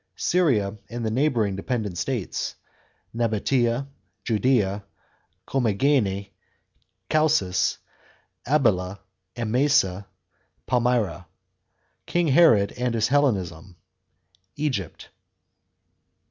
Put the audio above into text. § 7. SYRIA, and the neighbouring dependent states : Nabatea, Judea, Commagene, Chalcis, Abila, Emesa, Palmyra. King Herod and his Hellenism. § 8. EGYPT.